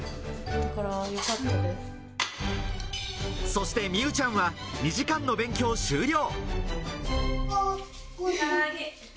そして美羽ちゃんは２時間の勉強終了。